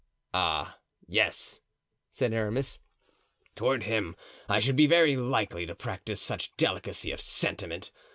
"Ah, yes!" said Aramis, "toward him I should be very likely to practice such delicacy of sentiment!